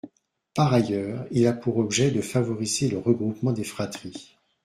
Par ailleurs, il a pour objet de favoriser le regroupement des fratries.